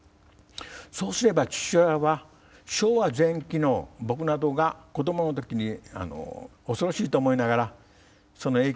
そうすれば父親は昭和前期の僕などが子どものときに恐ろしいと思いながらその影響も受けていた。